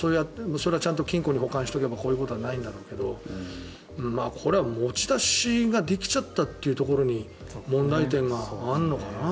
それはちゃんと金庫に保管していたらこういうことはないんだろうけどこれは持ち出しができちゃったというところに問題点があるのかな。